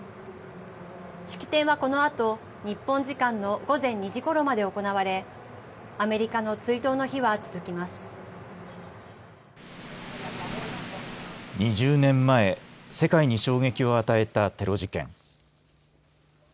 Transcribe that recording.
式典はこのあと日本時間の午前２時ごろまで行われ２０年前世界に衝撃を与えたテロ事件。